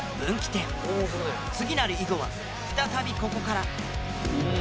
次なる以後は再びここから。